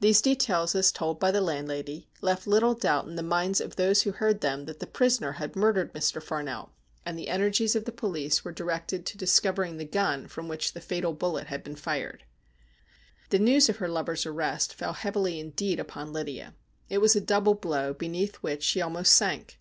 These details as told by the landlady left little doubt in the minds of those who heard them that the prisoner had mur dered Mr. Farnell, and the energies of the police were directed to discovering the gun from which the fatal bullet had been fired. The news of her lover's arrest fell heavily indeed upon Lydia. It was a double blow beneath which she almost sank.